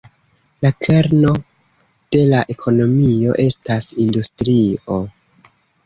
La kerno de la ekonomio estas industrio.